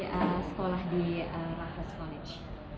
karena dia sudah belajar di raffles college